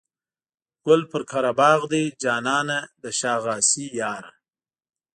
ګل پر قره باغ دی جانانه د شا غاسي یاره.